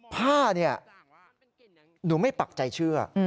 ผ้าเนี่ยหนูไม่ปักใจเชื่อ